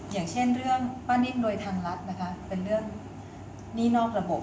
อย่างเช่นเรื่องป้านิ่มโดยทางรัฐนะคะเป็นเรื่องหนี้นอกระบบ